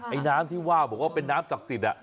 ไอ้น้ำที่ว่าบอกว่าเป็นน้ำศักดิ์สิทธิ์